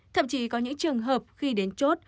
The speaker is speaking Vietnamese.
thậm chí có những trường hợp khi đến chốt